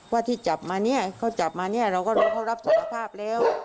ว่าที่จับมาเนี่ยเขาจับมาเนี่ยเราก็รู้เขารับสารภาพแล้ว